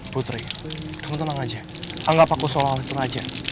putri kamu tenang aja anggap aku seorang peturang aja